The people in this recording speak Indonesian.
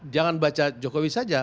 jangan baca jokowi saja